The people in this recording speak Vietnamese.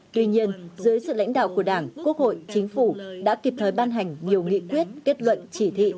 tuy nhiên dưới sự lãnh đạo của đảng quốc hội chính phủ đã kịp thời ban hành nhiều nghị quyết kết luận chỉ thị